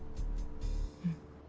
うん。